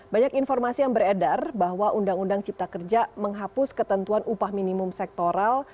banyak informasi yang beredar bahwa undang undang cipta kerja menghapus ketentuan upah minimum sektoral